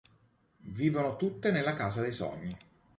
Vivono tutte nella Casa dei Sogni.